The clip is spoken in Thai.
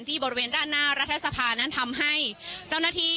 บริเวณด้านหน้ารัฐสภานั้นทำให้เจ้าหน้าที่